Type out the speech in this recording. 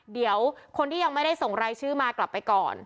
เดี๋ยวคนที่ยังไม่ได้ส่งรายชื่อมากลับไปก่อน